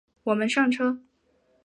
我们上车